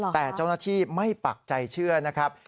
แต่เจ้าหน้าที่ไม่ปักใจเชื่อนะครับ